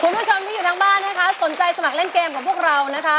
คุณผู้ชมที่อยู่ทางบ้านนะคะสนใจสมัครเล่นเกมกับพวกเรานะคะ